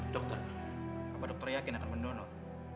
dokter apa dokter yakin akan mendonor